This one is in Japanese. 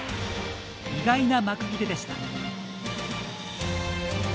意外な幕切れでした。